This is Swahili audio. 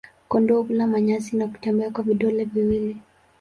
Kondoo hula manyasi na kutembea kwa vidole viwili.